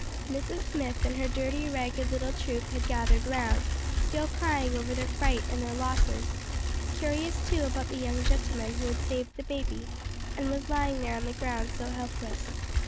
Mrs. Smith and her dirty ragged little troop had gathered round, still crying over their fright and their losses, curious too about the young gentleman who had saved the baby and was lying there on the ground so helpless.